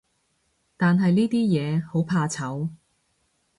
但係呢啲嘢，好怕醜